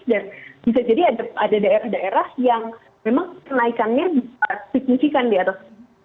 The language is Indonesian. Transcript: dan bisa jadi ada daerah daerah yang memang kenaikannya bisa signifikan di atas